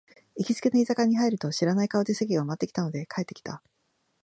行きつけの居酒屋に入ると、知らない顔で席が埋まってたので帰ってきた